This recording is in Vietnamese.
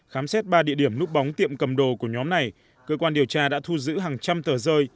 khám xét ba địa điểm núp bóng tiệm cầm đồ của nhóm này cơ quan điều tra đã thu giữ hàng trăm tờ rơi